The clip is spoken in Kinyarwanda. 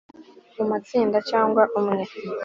Mu matsinda cyangwa umwe